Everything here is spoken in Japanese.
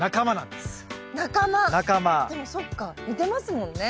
でもそっか似てますもんね。